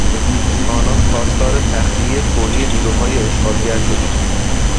آنان خواستار تخلیهی فوری نیروهای اشغالگر شدند.